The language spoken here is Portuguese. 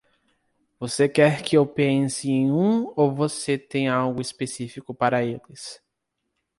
Você quer que eu pense em um ou você tem algo específico para eles?